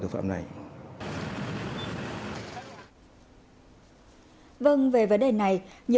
vâng về vấn đề này nhiều ý kiến của các bác sĩ và các bác sĩ đã đồng ý với chúng tôi